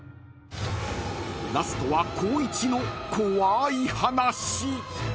［ラストは光一の怖い話］